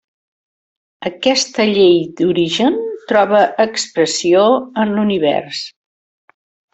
Aquesta Llei d'origen troba expressió en l'univers.